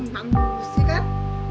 bagus sih kan